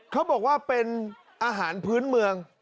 เขาบอกว่าเป็นอาหารพื้นเมือง